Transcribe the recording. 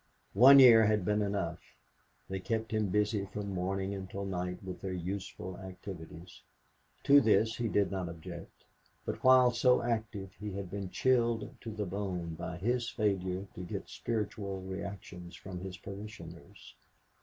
One year had been enough. They kept him busy from morning until night with their useful activities. To this he did not object; but while so active he had been chilled to the bone by his failure to get spiritual reactions from his parishioners.